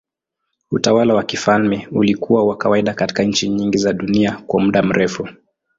Utawala wa kifalme ulikuwa wa kawaida katika nchi nyingi za dunia kwa muda mrefu.